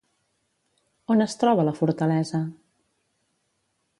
On es troba la fortalesa?